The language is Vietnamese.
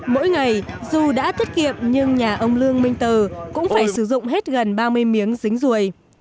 mỗi ngày dù đã tiết kiệm nhưng nhà ông lương minh tờ cũng phải sử dụng hết gần ba mươi miếng dính ruồi